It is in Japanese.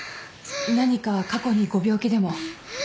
何か過去にご病気でも？